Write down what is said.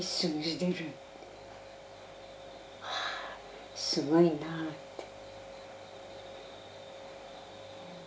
はあすごいなって。